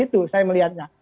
itu saya melihatnya